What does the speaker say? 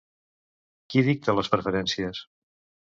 Qui dicta les preferències?